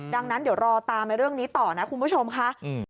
ดังนั้นเดี๋ยวรอตามเรื่องนี้ต่อนะคุณผู้ชมค่ะ